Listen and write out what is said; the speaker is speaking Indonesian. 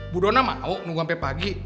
budona mau nunggu sampe pagi